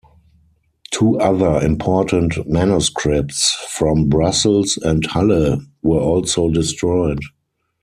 Two other important manuscripts, from Brussels and Halle, were also destroyed.